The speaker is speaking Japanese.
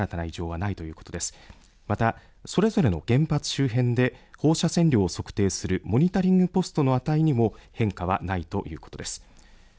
またそれぞれの原発周辺で放射線量を測定するモニタリングポストの値にも変化はないということです。